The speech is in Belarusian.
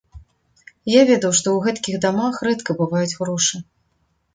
Я ведаў, што ў гэткіх дамах рэдка бываюць грошы.